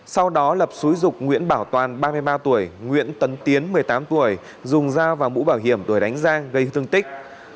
sau đó lập xúi dục nguyễn bảo toàn ba mươi ba tuổi nguyễn tấn tiến một mươi tám tuổi dùng dao và mũ bảo hiểm đuổi đánh ra gây thương tích